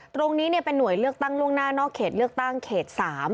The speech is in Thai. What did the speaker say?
ตรงนี้เป็นหน่วยเลือกตั้งล่วงหน้านอกเขตเลือกตั้งเขต๓